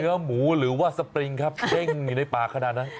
เนื้อหมูหรือว่าสปริงครับเด้งอยู่ในป่าขนาดไหน